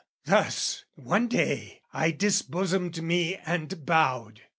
Thus, one day, I disbosomed me and bowed.